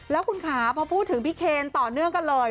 แล้วคุณขาพอพูดถึงพี่เคนต่อเนื่องกันเลย